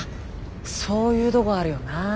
そういうどごあるよな。